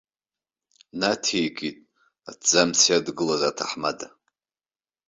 Наҭеикит аҭӡамц иадгылаз аҭаҳмада.